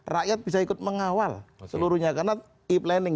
rakyat bisa ikut mengawal seluruhnya karena e planning